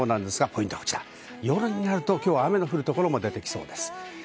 ポイントは夜になると雨の降るところも出てきそうです。